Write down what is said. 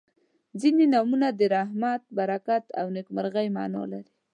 • ځینې نومونه د رحمت، برکت او نیکمرغۍ معنا لري.